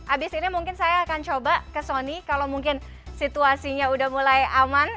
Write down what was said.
abis ini mungkin saya akan coba ke sony kalau mungkin situasinya udah mulai aman